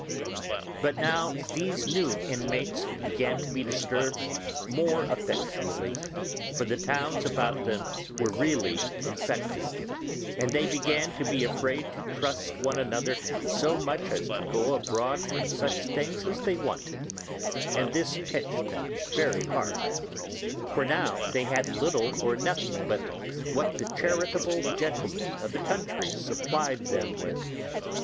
But now these new inmates began to be disturbed more effectually, for the towns about them were really infected, and they began to be afraid to trust one another so much as to go abroad for such things as they wanted, and this pinched them very hard, for now they had little or nothing but what the charitable gentlemen of the country supplied them with.